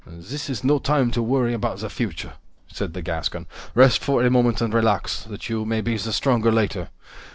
"This is no time to worry about the future," said the Gascon. "Rest for a moment and relax, that you may be the stronger later.